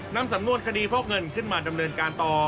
นำสำนวนคดีฟอกเงินขึ้นมาดำเนินการต่อ